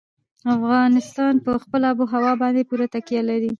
افغانستان په خپله آب وهوا باندې پوره تکیه لري.